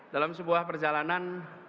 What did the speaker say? dalam sebuah perjalanan